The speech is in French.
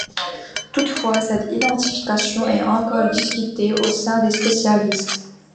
Toutefois cette identification est encore discutée au sein des spécialistes.